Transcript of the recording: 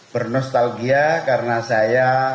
bernostalgia karena saya